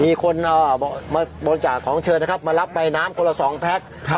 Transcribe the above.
มีคนอ่ามาบรรจาของเชิญนะครับมารับไปน้ำคนละสองแพ็คครับ